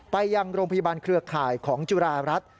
ไปยังโรงพยาบาลเครือข่ายของจุฬารัฐ